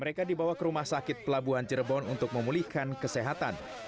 mereka dibawa ke rumah sakit pelabuhan cirebon untuk memulihkan kesehatan